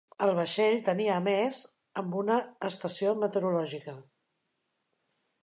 El vaixell tenia a més amb una estació meteorològica.